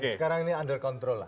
sekarang ini under control lah